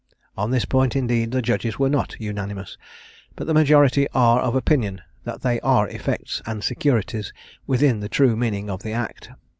On this point, indeed, the judges were not unanimous, but the majority are of opinion that they are effects and securities within the true meaning of the act.